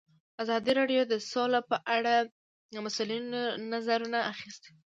ازادي راډیو د سوله په اړه د مسؤلینو نظرونه اخیستي.